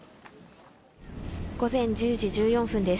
午前１０時１４分です。